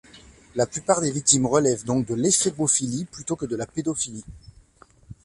La plupart des victimes relèvent donc de l'éphébophilie plutôt que de la pédophilie.